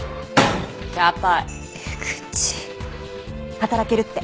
働けるって。